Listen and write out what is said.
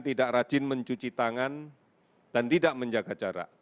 tidak rajin mencuci tangan dan tidak menjaga jarak